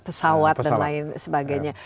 pesawat dan lain sebagainya